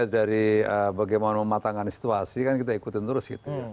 dari bagaimana mematangkan situasi kan kita ikutin terus